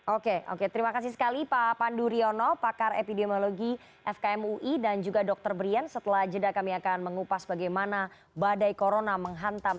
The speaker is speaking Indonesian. oke oke terima kasih sekali pak pandu riono pakar epidemiologi fkm ui dan juga dr brian setelah jeda kami akan mengupas bagaimana badai corona menghantam